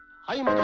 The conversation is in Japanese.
はい！